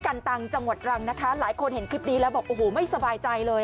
กันตังจังหวัดรังนะคะหลายคนเห็นคลิปนี้แล้วบอกโอ้โหไม่สบายใจเลย